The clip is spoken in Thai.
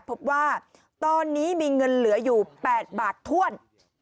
พบว่าตอนนี้มีเงินเหลืออยู่๘บาทถ้วน